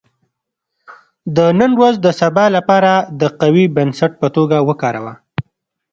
• د نن ورځ د سبا لپاره د قوي بنسټ په توګه وکاروه.